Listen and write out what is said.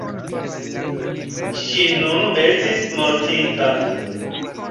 Ŝi nun estis mortinta.